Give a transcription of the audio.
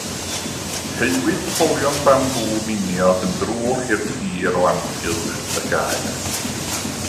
Heuwyd polion bambŵ miniog yn drwch i'r tir o amgylch y gaer.